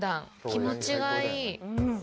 気持ちがいい。